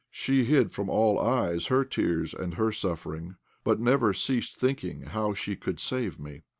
She hid from all eyes her tears and her suffering, but never ceased thinking how she could save me.